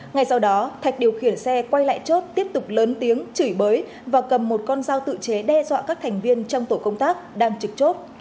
ngay sau đó thạch điều khiển xe quay lại chốt tiếp tục lớn tiếng chửi bới và cầm một con dao tự chế đe dọa các thành viên trong tổ công tác đang trực chốt